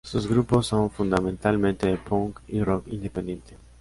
Sus grupos son fundamentalmente de Punk y Rock independiente.